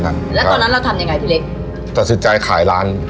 แล้วตอนนั้นเราทำยังไงพี่เล็กตัดสินใจขายร้าน